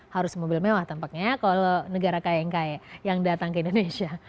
harus mobil mewah tampaknya kalau negara kaya yang kaya yang datang ke indonesia